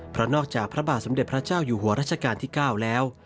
เพราะนอกจากพระบาทสมเด็จพระเจ้าอยู่หัวรัชกาลที่๙แล้ว